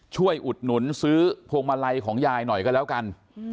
อุดหนุนซื้อพวงมาลัยของยายหน่อยก็แล้วกัน